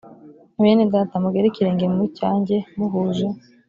bene data mugere ikirenge mu cyanjye muhuje